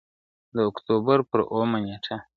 د اکټوبر پر اوومه نېټه ,